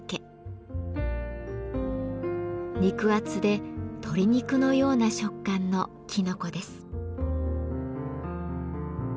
肉厚で鶏肉のような食感のきのこです。